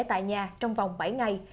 tại nhà trong vòng bảy ngày